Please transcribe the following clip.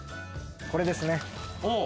これですね。